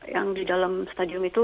yang di dalam stadion itu